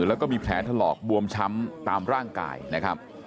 แล้วก็มีแผลถลอกบวมช้ำตามร่างกายนะครับ